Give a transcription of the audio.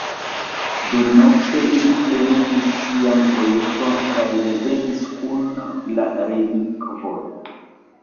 Dumnokte, ili plenumis sian projekton kaj revenis kun la relikvoj.